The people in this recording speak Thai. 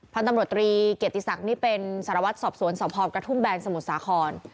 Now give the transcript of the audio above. พันธุ์ตำรวจตรีเกียรติศักดิ์นี่เป็นสารวัตรสอบสวนสพกระทุ่มแบนสมุทรสาคร